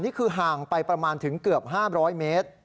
นี่คือห่างไปประมาณถึงเกือบ๕๐๐เมตร